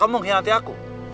kamu menghianati aku